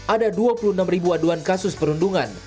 ada dua puluh enam ribu aduan kasus perundungan